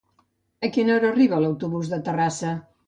A quina hora arriba l'autobús de Terrassa?